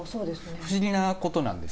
不思議なことなんです。